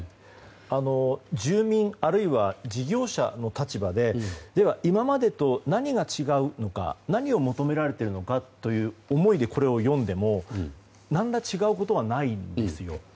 住民、あるいは事業者の立場ででは、今までと何が違うのか何を求められているのかという思いで、これを読んでも何ら違うことはないんですよ。